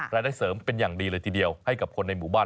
ได้เสริมเป็นอย่างดีเลยทีเดียวให้กับคนในหมู่บ้าน